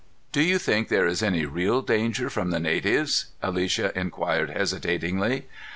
"Do you think there is any real danger from the natives?" Alicia inquired hesitatingly.